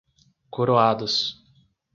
Coroados